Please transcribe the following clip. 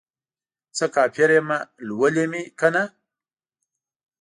څه کافر یمه ، لولی مې کنه